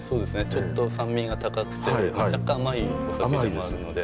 ちょっと酸味が高くて若干甘いお酒でもあるので。